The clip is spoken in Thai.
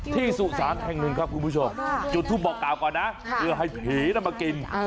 ที่สู่สารแห่งหนึ่งครับคุณผู้ชมจุดทุบบอกก่อนนะคือให้ผีน่ามากิน